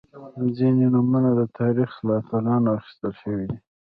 • ځینې نومونه د تاریخ له اتلانو اخیستل شوي دي.